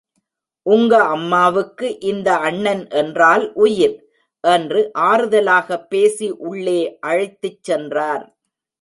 உங்க அம்மாவுக்கு இந்த அண்ணன் என்றால் உயிர், என்று ஆறுதலாகப் பேசி உள்ளே அழைத்துச் சென்றார்.